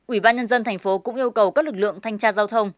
ủy ban nhân dân tp cũng yêu cầu các lực lượng thanh tra giao thông